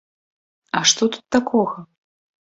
А што тут такога?